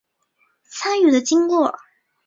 参与的经过